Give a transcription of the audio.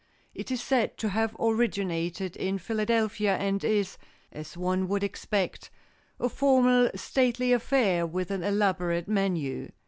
It is said to have originated in Philadelphia and is, as one would expect, a formal stately affair with an elaborate menu.